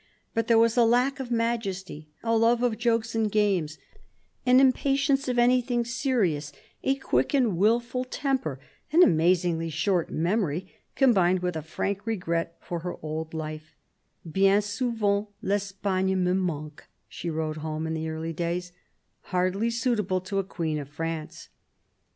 But there was a lack of majesty, a love of jokes and games, an impatience of everything serious, a quick and wilful temper, an amazingly short memory, combined with a frank regret for her old life —" bien souvent I'Espagne me manque," she wrote home in the early days — hardly suit able to a Queen of France.